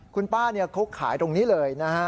คุณป้าเขาขายตรงนี้เลยนะฮะ